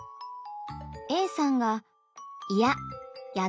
Ａさんが「いやっ！